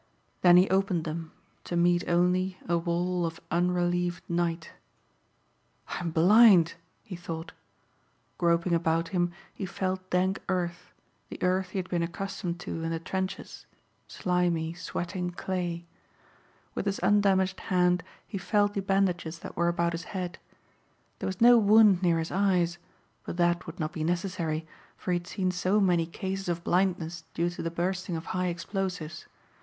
Then he opened them to meet only a wall of unrelieved night. "I'm blind!" he thought. Groping about him he felt dank earth, the earth he had been accustomed to in the trenches, slimy, sweating clay. With his undamaged hand he felt the bandages that were about his head. There was no wound near his eyes; but that would not be necessary, for he had seen so many cases of blindness due to the bursting of high explosives.